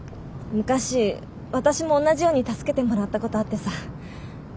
昔私も同じように助けてもらったことあってさ。